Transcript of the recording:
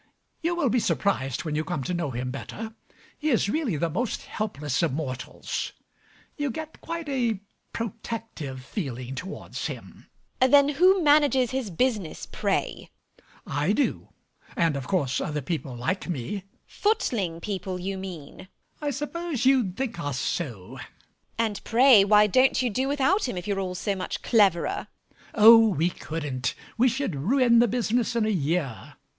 You will be surprised when you come to know him better: he is really the most helpless of mortals. You get quite a protective feeling towards him. MRS HUSHABYE. Then who manages his business, pray? MAZZINI. I do. And of course other people like me. MRS HUSHABYE. Footling people, you mean. MAZZINI. I suppose you'd think us so. MRS HUSHABYE. And pray why don't you do without him if you're all so much cleverer? MAZZINI. Oh, we couldn't: we should ruin the business in a year.